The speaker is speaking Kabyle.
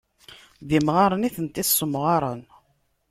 D imɣaren i tent-issemɣaren.